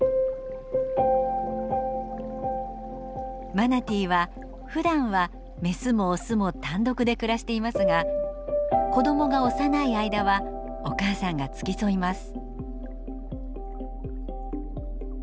マナティーはふだんはメスもオスも単独で暮らしていますが子どもが幼い間はお母さんが付き添います。